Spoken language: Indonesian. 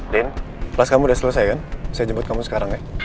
den kelas kamu udah selesai kan saya jemput kamu sekarang ya